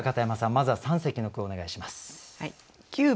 まずは三席の句をお願いします。